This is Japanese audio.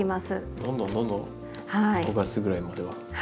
どんどんどんどん５月ぐらいまでは。